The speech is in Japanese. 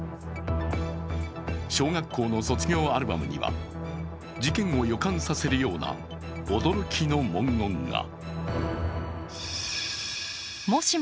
小学校の卒業アルバムには事件を予感させるような驚きの文言が。